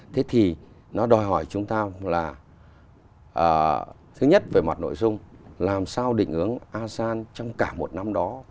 thế thì nó đòi hỏi chúng ta là thứ nhất về mặt nội dung làm sao định ứng asean trong cả một năm đó